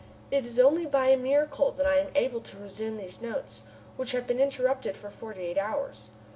It is only by a miracle that I am able to resume these notes, which have been interrupted for forty eight hours.